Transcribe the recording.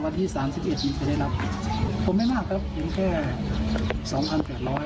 วันที่สามสิบเอ็ดมีคนได้รับผมไม่มากครับเพียงแค่สองพันแปดร้อย